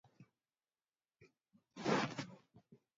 There have been among others concert tours to France and Italy.